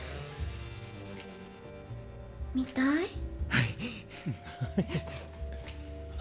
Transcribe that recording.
はい。